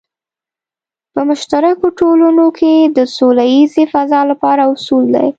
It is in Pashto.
په مشترکو ټولنو کې د سوله ییزې فضا لپاره اصول دی.